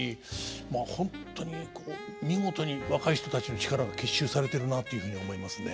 まあ本当にこう見事に若い人たちの力が結集されてるなというふうに思いますね。